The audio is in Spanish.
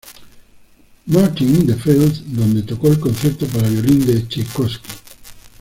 Martin-in-the-Fields, donde tocó el concierto para violín de Chaikovski.